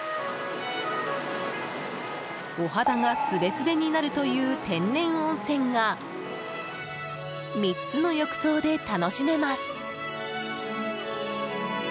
お肌がすべすべになるという天然温泉が３つの浴槽で楽しめます。